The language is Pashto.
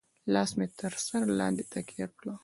لاس مې تر سر لاندې تکيه کړه.